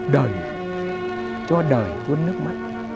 đời cho đời tuôn nước mắt